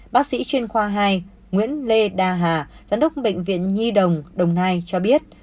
bác sĩ chuyên khoa hai nguyễn lê đa hà giám đốc bệnh viện nhi đồng đồng nai cho biết